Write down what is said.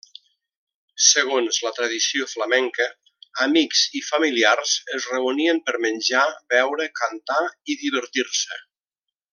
Segons la tradició flamenca, amics i familiars es reunien per menjar, beure, cantar i divertir-se.